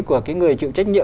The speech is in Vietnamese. của cái người chịu trách nhiệm